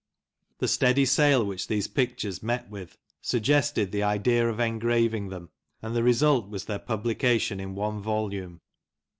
The steady sale which these pictures met with suggested the idea of engraving them, and the result was their publication in one volume.